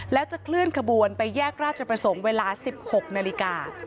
แล้วจะเคลื่อนขบวนไปแยกราชประสงค์เวลา๑๖นาฬิกา